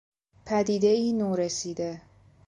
پدیدهای نورسیده